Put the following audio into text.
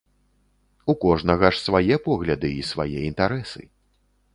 У кожнага ж свае погляды і свае інтарэсы.